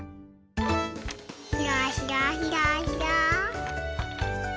ひらひらひらひら。